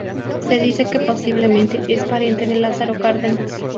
Se dice que posiblemente es pariente de Lázaro Cárdenas.